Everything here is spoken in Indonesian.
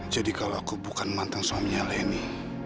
jadi kalau aku bukan mantan suaminya leni